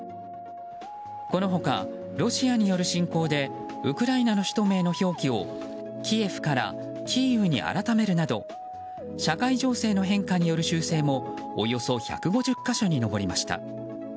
この他、ロシアによる侵攻でウクライナの首都名の表記をキエフからキーウに改めるなど社会情勢の変化による修正もおよそ１５０か所に上りました。